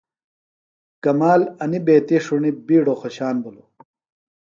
کمال انیۡ بیتیۡ ݜُݨیۡ بِیڈوۡ خوۡشان بِھلوۡ۔